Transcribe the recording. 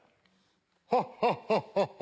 ハッハッハッハ！